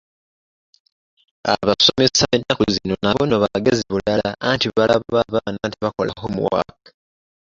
Abasomesa b'ennaku zino nabo nno bagezi bulala anti balaba abaana tebakola "homework"